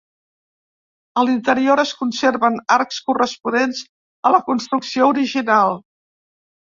A l'interior es conserven arcs corresponents a la construcció original.